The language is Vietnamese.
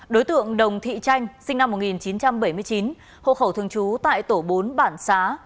đối tượng đồng thị chanh sinh năm một nghìn chín trăm bảy mươi chín hộ khẩu thường trú tại tổ bốn bản xá